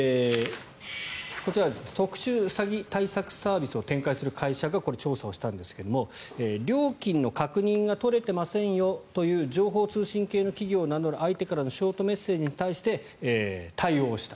こちらは特殊詐欺対策サービスを展開する会社がこれ、調査をしたんですが料金の確認が取れてませんよという情報通信系の企業を名乗る相手からのショートメッセージに対して対応をした。